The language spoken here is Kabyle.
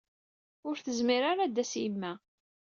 Ur tezmir ara ad d-tas yemma.